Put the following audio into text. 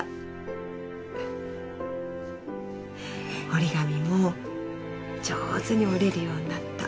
折り紙も上手に折れるようになった。